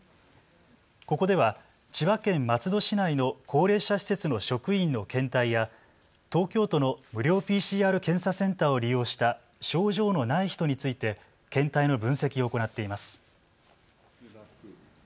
ここでは千葉県松戸市内の高齢者施設の職員の検体や東京都の無料ＰＣＲ検査センターを利用した症状のない人について検体の分析を行っています。